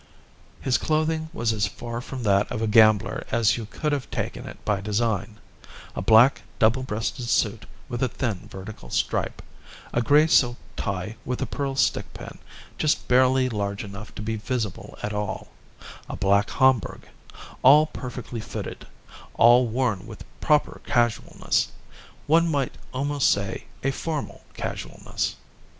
His clothing was as far from that of a gambler as you could have taken it by design: a black double breasted suit with a thin vertical stripe, a gray silk tie with a pearl stickpin just barely large enough to be visible at all, a black Homburg; all perfectly fitted, all worn with proper casualness one might almost say a formal casualness.